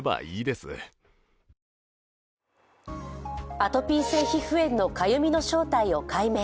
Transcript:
アトピー性皮膚炎のかゆみの正体を解明。